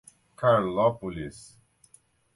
Carlópolis